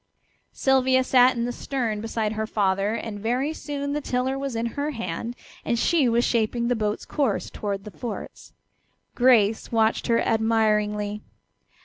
Sylvia sat in the stern beside her father, and very soon the tiller was in her hand and she was shaping the boat's course toward the forts. Grace watched her admiringly.